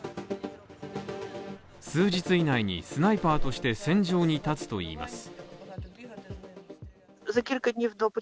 数日以内にスナイパーとして戦場に立つといいます。